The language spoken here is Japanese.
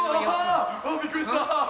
ああびっくりした。